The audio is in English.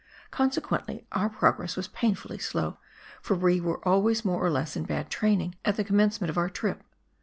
Consequently our progress was painfully slow, for we were always more or less in bad training at the commencement of our trip.